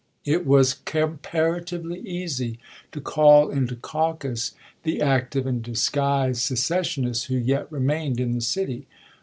It was compara tively easy to call into caucus the active and dis guised secessionists who yet remained in the city.